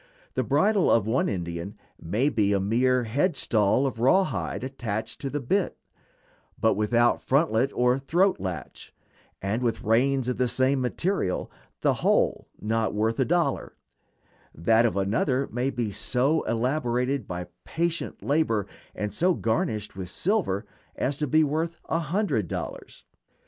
The bridle of one Indian may be a mere head stall of rawhide attached to the bit, but without frontlet or throat latch, and with reins of the same material, the whole not worth a dollar; that of another may be so elaborated by patient labor, and so garnished with silver, as to be worth a hundred dollars.